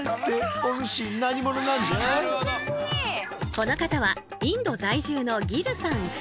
この方はインド在住のギルさん夫妻。